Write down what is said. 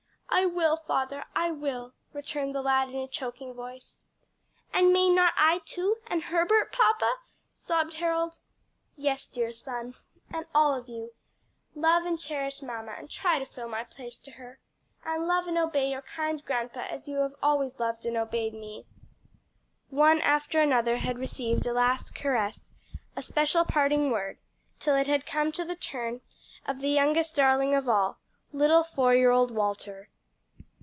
"I will, father, I will," returned the lad in a choking voice. "And may not I too, and Herbert, papa?" sobbed Harold. "Yes, dear son, and all of you, love and cherish mamma and try to fill my place to her. And love and obey your kind grandpa as you have always loved and obeyed me." One after another had received a last caress, a special parting word, till it had come to the turn of the youngest darling of all little four year old Walter.